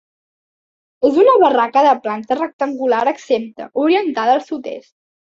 És una barraca de planta rectangular exempta, orientada al sud-est.